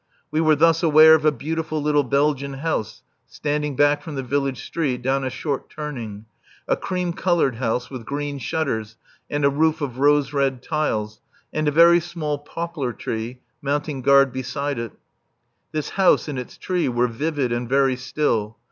We were thus aware of a beautiful little Belgian house standing back from the village street down a short turning, a cream coloured house with green shutters and a roof of rose red tiles, and a very small poplar tree mounting guard beside it. This house and its tree were vivid and very still.